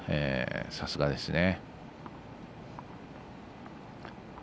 さすがですね。